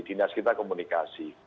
dinas kita komunikasi